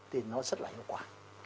thì nó rất là hiệu quả